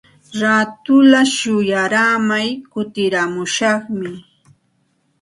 Raatulla shuyaaramay kutiramushaqmi.